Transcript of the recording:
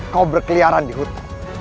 kau berkeliaran di hutan